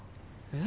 え。